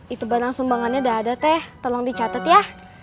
itu barang sumbangannya udah ada t tolong dicatet ya